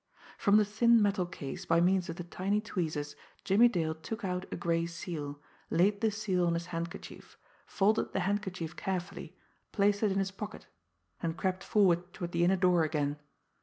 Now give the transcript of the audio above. From the thin metal case, by means of the tiny tweezers, Jimmie Dale took out a gray seal, laid the seal on his handkerchief, folded the handkerchief carefully, placed it in his pocket and crept forward toward the inner door again.